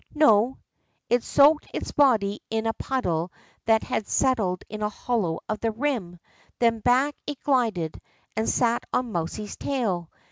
'No ; it soaked its body in a puddle that had settled in a hollow of the rim, then back it glided and sat on mousie's tail.